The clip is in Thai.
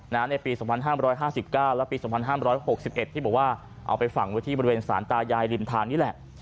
ในปี๒๕๕๙และปี๒๕๖๑ที่บอกว่าเอาไปฝังไว้ที่บริเวณสารตายายริมทางนี่แหละ